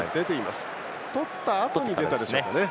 とったあとに出たでしょうか。